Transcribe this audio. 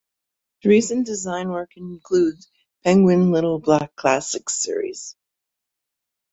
Recent design work includes the Penguin Little Black Classic series.